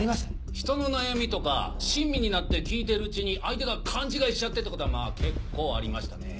ひとの悩みとか親身になって聞いてるうちに相手が勘違いしちゃってってことはまぁ結構ありましたね。